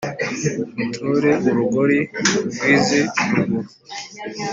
mutore urugori rw' iz' iruguru